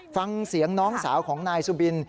ฟังเสียงน้องสาวของนายสุบิน